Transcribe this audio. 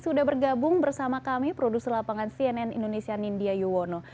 sudah bergabung bersama kami produser lapangan cnn indonesia nindya yuwono